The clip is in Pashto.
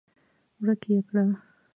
ورک يې کړه!